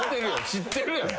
知ってるやん。